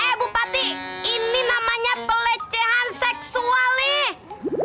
eh bupati ini namanya pelecehan seksual nih